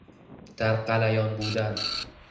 در غلیان بودن